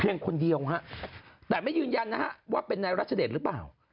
เพียงคนเดียวแต่ไม่ยืนยันว่าเป็นในรัชเดชหรือเปล่า